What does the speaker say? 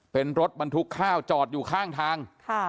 เป็นรถบรรทุกข้าวจอดอยู่ข้างทาง